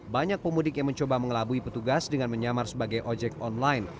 banyak pemudik yang mencoba mengelabui petugas dengan menyamar sebagai ojek online